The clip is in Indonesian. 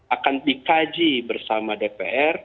akan dikaji bersama dpr